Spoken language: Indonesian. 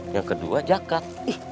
yang kedua jakat